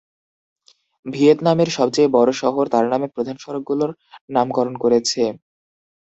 ভিয়েতনামের বেশিরভাগ শহর তার নামে প্রধান সড়কগুলোর নামকরণ করেছে।